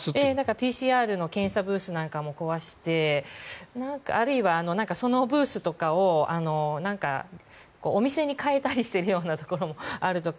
ＰＣＲの検査ブースなんかも壊してあるいは、そのブースとかをお店に変えたりしているところもあるとか。